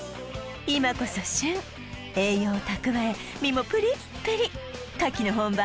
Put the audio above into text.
今こそ旬栄養を蓄え身もプリップリ牡蠣の本場